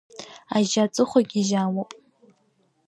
Ажьа аҵыхәа гьежьы амоуп.